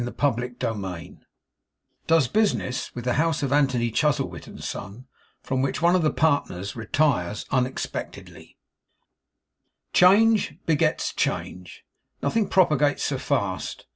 CHAPTER EIGHTEEN DOES BUSINESS WITH THE HOUSE OF ANTHONY CHUZZLEWIT AND SON, FROM WHICH ONE OF THE PARTNERS RETIRES UNEXPECTEDLY Change begets change. Nothing propagates so fast.